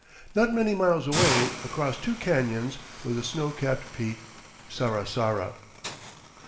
Not many miles away, across two canyons, was a snow capped peak, Sarasara.